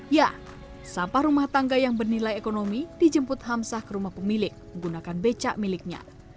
ya sampah rumah tangga yang bernilai ekonomi dijemput hamsah ke rumah pemilik menggunakan becak miliknya